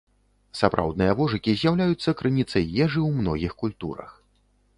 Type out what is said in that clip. Сапраўдныя вожыкі з'яўляюцца крыніцай ежы ў многіх культурах.